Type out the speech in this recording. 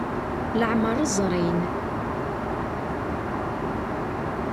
Leɛmer ẓrin.